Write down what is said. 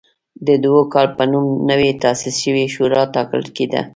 د دوکال په نوم نوې تاسیس شوې شورا ټاکل کېده